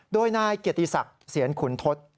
ด้วยนายเกติศักดิ์เสียญขุนทศ